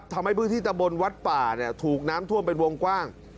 ทำให้พื้นที่ตะบนวัดป่าถูกน้ำท่วมเป็นวงกว้าง